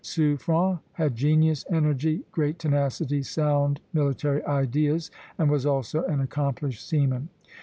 Suffren had genius, energy, great tenacity, sound military ideas, and was also an accomplished seaman.